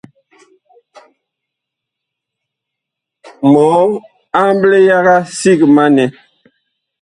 Mɔɔ amble yaga sig ma nɛ !